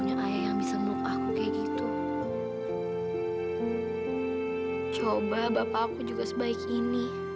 coba bapak aku juga sebaik ini